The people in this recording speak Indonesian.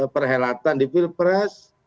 perhelatan di pilpres